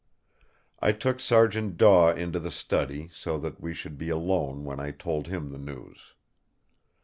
I took Sergeant Daw into the study, so that we should be alone when I told him the news.